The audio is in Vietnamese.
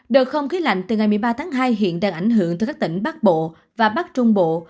đợt không khí lạnh từ ngày một mươi ba tháng hai hiện đang ảnh hưởng tới các tỉnh bắc bộ và bắc trung bộ